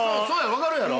わかるやろ？